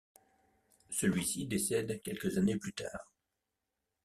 Celui-ci décède quelques années plus tard.